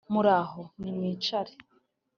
muraho! nimwicare.